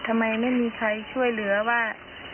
ทำไมไม่มีใครช่วยเหลือว่า